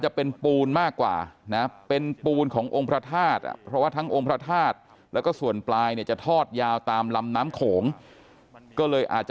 จะเป็นพญานาคนะฮะเดี๋ยวฟังอาจารย์ออสนะครับ